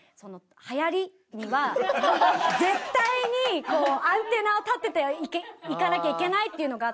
絶対にアンテナを立てていかなきゃいけないっていうのがあって。